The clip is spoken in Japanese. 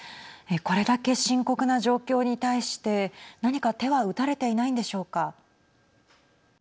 これだけ深刻な状況に対して何か手は打たれていないんでしょうか。